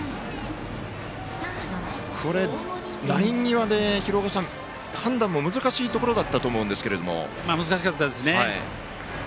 ライン際で判断も難しいところだったと難しかったですね。